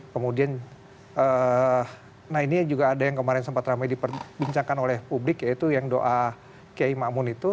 kemudian nah ini juga ada yang kemarin sempat ramai diperbincangkan oleh publik yaitu yang doa kiai ⁇ maamun ⁇ itu